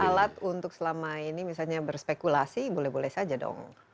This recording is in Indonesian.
alat untuk selama ini misalnya berspekulasi boleh boleh saja dong